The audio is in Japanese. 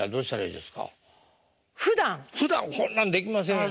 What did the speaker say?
ふだんこんなんできませんやん。